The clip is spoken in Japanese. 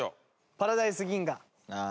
『パラダイス銀河』。